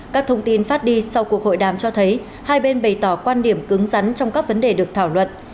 các thông tin phát đi sau cuộc hội đàm cho thấy hai bên bày tỏ quan điểm cứng rắn trong các vấn đề được thảo luận